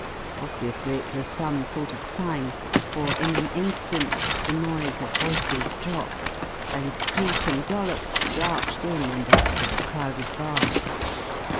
Obviously it was some sort of sign, for in an instant the noise of voices dropped, and Cleek and Dollops slouched in and up to the crowded bar.